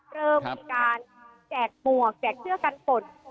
เริ่มมีการแจกหมวกแจกเสื้อกันฝน